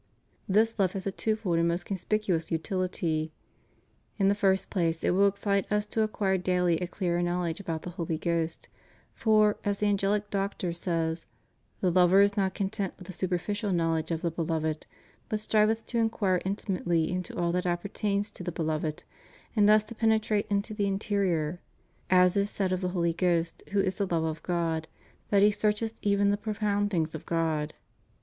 This love has a twofold and most conspicuous utility. In the first place it will excite us to acquire daily a clearer knowledge about the Holy Ghost; for, as the AngeHc Doctor says, "the lover is not content with the superficial knowledge of the beloved, but striveth to inquire intimately into all that appertains to the beloved, ' and thus to penetrate into the interior; as is said of the Holy Ghost, who is the love of God, that He searcheth even the profound things of God.